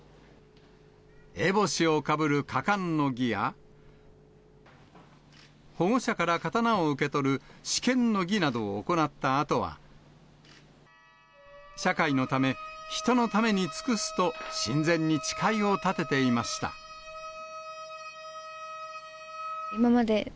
えぼしをかぶる加冠の儀や、保護者から刀を受け取る賜剣の儀などを行ったあとは、社会のため、人のために尽くすと、神前に誓いを立てていました。